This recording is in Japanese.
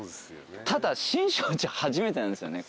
ただ新勝寺初めてなんですよね